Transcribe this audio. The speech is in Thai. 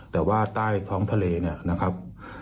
แต่ว่าใต้ท้องทะเลเนี่ยนะครับ